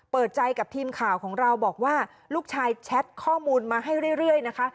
เปิดใจกับทีมข่าวของเราบอกว่าลูกชายแชทข้อมูลมาให้เรื่อยนะคะ